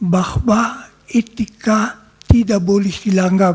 bahwa etika tidak boleh hilang